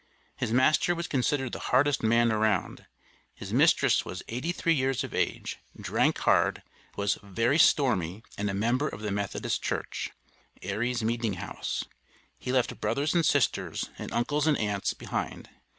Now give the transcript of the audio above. His master was considered the hardest man around. His mistress was "eighty three years of age," "drank hard," was "very stormy," and a "member of the Methodist Church" (Airy's meeting house). He left brothers and sisters, and uncles and aunts behind.